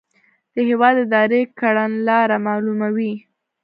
د هیواد اداري کړنلاره معلوموي.